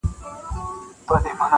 په سره ټاکنده غرمه کي-